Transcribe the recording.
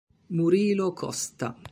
Murilo Costa